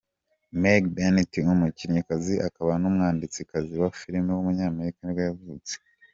Megg Bennett, umukinnyikazi akaba n’umwanditsikazi wa film w’umunyamerika nibwo yavutse.